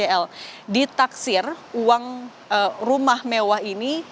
jadi di taksir uang rumah mewah ini